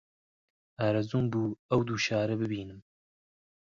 ئارەزووم بوو ئەو دوو شارە ببینم